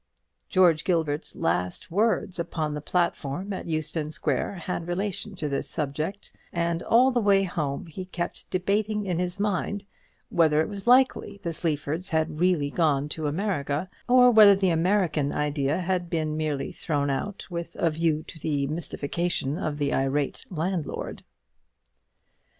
George Gilbert's last words upon the platform at Euston Square had relation to this subject; and all the way home he kept debating in his mind whether it was likely the Sleafords had really gone to America, or whether the American idea had been merely thrown out with a view to the mystification of the irate landlord.